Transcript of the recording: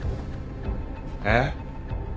えっ？